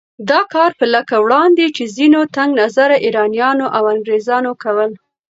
دا کار به لکه وړاندې چې ځينو تنګ نظره ایرانیانو او انګریزانو کول